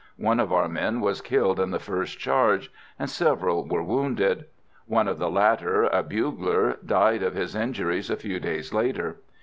One of our men was killed in the first charge, and several were wounded. One of the latter, a bugler, died of his injuries a few days later.